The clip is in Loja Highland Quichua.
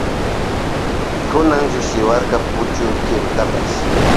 Kunan llukchiwarka puchu kirutapash.